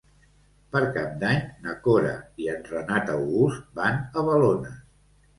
Per Cap d'Any na Cora i en Renat August van a Balones.